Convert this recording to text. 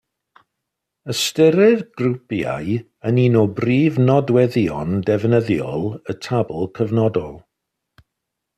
Ystyrir grwpiau yn un o brif nodweddion defnyddiol y tabl cyfnodol.